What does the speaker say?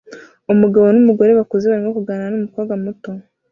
Umugabo n'umugore bakuze barimo kuganira numukobwa muto